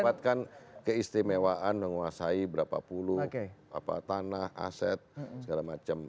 mendapatkan keistimewaan menguasai berapa puluh tanah aset segala macam